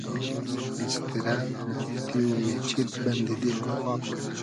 ایستیرۂ , مافتی و مېچید بئندی دیل